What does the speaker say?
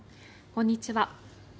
こんにちは。